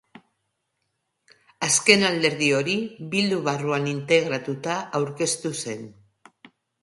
Azken alderdi hori Bildu barruan integratuta aurkeztu zen.